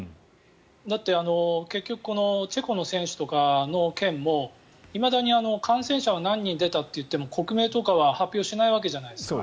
だって、結局このチェコの選手とかの件もいまだに感染者は何人出たといっても国名とかは発表しないわけじゃないですか。